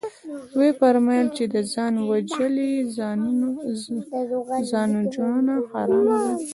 ويې فرمايل چې ده ځان وژلى ځانوژنه حرامه ده.